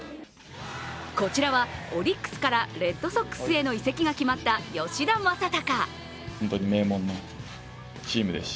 こちらはオリックスからレッドソックスへの移籍が決まった吉田正尚。